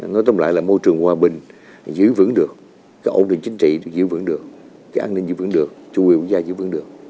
nói trong lại là môi trường hòa bình giữ vững được cái ổn định chính trị giữ vững được cái an ninh giữ vững được chủ quyền quốc gia giữ vững được